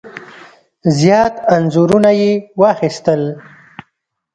زیات انځورونه یې واخیستل.